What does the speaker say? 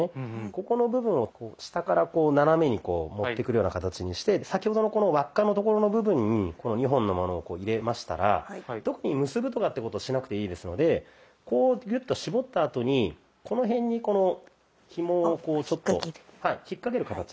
ここの部分を下から斜めにこう持ってくるような形にして先ほどのこの輪っかのところの部分にこの２本のものをこう入れましたら特に結ぶとかってことしなくていいですのでこうギュッと絞ったあとにこの辺にこのひもをこうちょっと引っ掛ける形で。